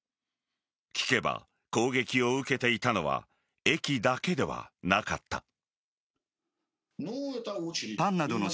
聞けば、攻撃を受けていたのは駅だけではなかった。